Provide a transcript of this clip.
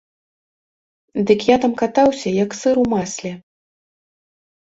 Дык я там катаўся як сыр у масле.